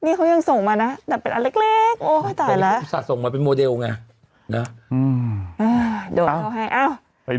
มีโทรศัพท์ให้ด้วยแทมด้วย